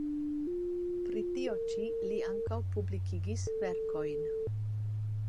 Pri tio ĉi li ankaŭ publikigis verkojn.